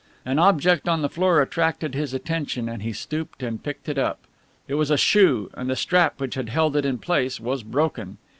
An object on the floor attracted his attention and he stooped and picked it up. It was a shoe, and the strap which had held it in place was broken.